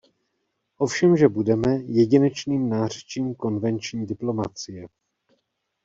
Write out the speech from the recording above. Ovšemže budeme, jedinečným nářečím konvenční diplomacie.